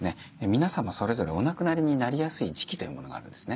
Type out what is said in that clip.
皆様それぞれお亡くなりになりやすい時期というものがあるんですね。